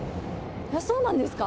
あっ、そうなんですか？